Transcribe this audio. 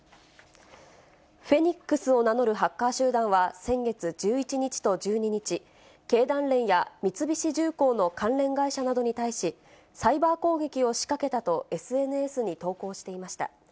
フェニックスを名乗るハッカー集団は先月１１日と１２日、経団連や三菱重工の関連会社などに対し、サイバー攻撃を仕掛けたとＳＮＳに投稿していました。